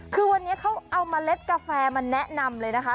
คือวันนี้เขาเอาเมล็ดกาแฟมาแนะนำเลยนะคะ